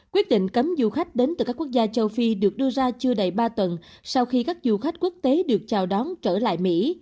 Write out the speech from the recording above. quyết định cấm du khách đến từ các quốc gia châu phi được đưa ra chưa đầy ba tuần sau khi các du khách quốc tế được chào đón trở lại mỹ